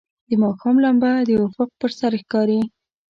د ماښام لمبه د افق پر سر ښکاري.